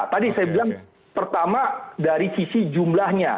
tadi saya bilang pertama dari sisi jumlahnya